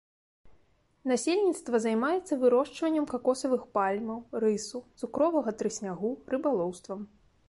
Насельніцтва займаецца вырошчваннем какосавых пальмаў, рысу, цукровага трыснягу, рыбалоўствам.